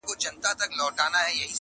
• هنر هنر سوم زرګري کوومه ښه کوومه..